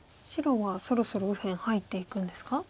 白はそろそろ右辺入っていくんですか？